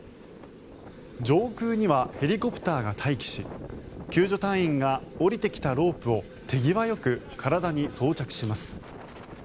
上空にはヘリコプターが待機し救助隊員が下りてきたロープを手際よく体に装着します。